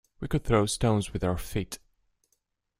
We could throw stones with our feet.